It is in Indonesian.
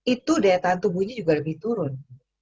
itu daya tahan tubuhnya juga lebih turun